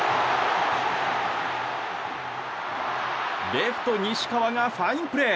レフト、西川がファインプレー！